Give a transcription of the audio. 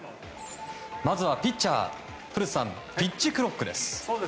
まずはピッチャーですがピッチクロックです。